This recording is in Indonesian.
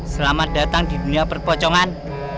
selamat datang di dunia perpocongan